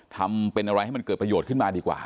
ทำเป็นอะไรให้มันเกิดประโยชน์ขึ้นมาดีกว่า